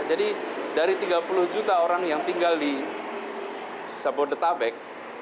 jadi dari tiga puluh juta orang yang tinggal di sabo de tabek